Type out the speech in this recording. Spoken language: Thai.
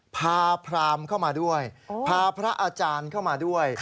พาพรามเข้ามาด้วยพาพระอาจารย์เข้ามาด้วย